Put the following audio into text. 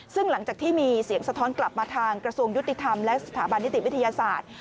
ซึ่งหลังจากที่มีเสียงสะท้อนกลับมาทางกระทรวงยุติธรรมและสถาบันนิติวิทยาศาสตร์